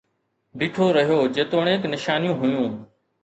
بيٺو رهيو جيتوڻيڪ نشانيون هيون